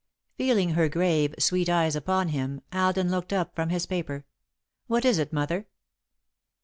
Feeling her grave, sweet eyes upon him, Alden looked up from his paper. "What is it, Mother?"